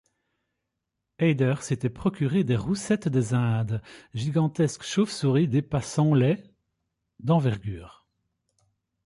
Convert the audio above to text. Ader s'était procuré des roussettes des Indes, gigantesques chauve-souris dépassant les d'envergure.